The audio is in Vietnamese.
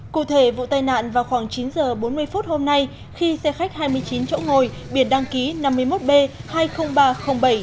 cụ thể vụ tai nạn vào khoảng chín h bốn mươi phút hôm nay khi xe khách hai mươi chín chỗ ngồi biển đăng ký năm mươi một b hai mươi nghìn ba trăm linh bảy